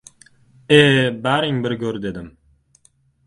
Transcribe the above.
— E, baring bir go‘r! — dedim.